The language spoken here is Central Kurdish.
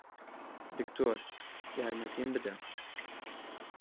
دکتۆر، یارمەتیم بدە!